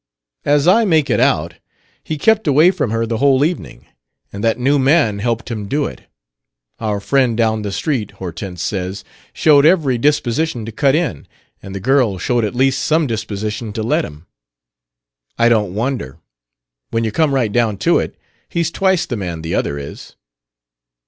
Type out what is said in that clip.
"As I make it out, he kept away from her the whole evening, and that new man helped him do it. Our friend down the street, Hortense says, showed every disposition to cut in, and the girl showed at least some disposition to let him. I don't wonder: when you come right down to it, he's twice the man the other is."